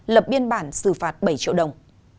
lập biên bản xử phạt bảy triệu đồng